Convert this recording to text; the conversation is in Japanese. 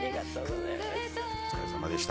お疲れさまでした。